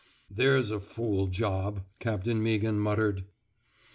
There *s a fool job, Captain Meaghan muttered.